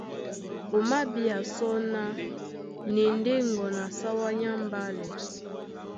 O mabíá sɔ́ ná na e ndé ŋgɔn a sáwá nyá mbálɛ.